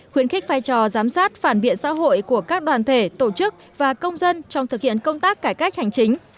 khuyến khích vai trò giám sát phản biện xã hội của các đoàn thể tổ chức và công dân trong thực hiện công tác cải cách hành chính